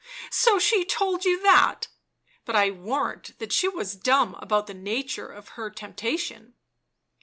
" So she told you that 1 But I warrant that she ,was dumb about the nature of her temptation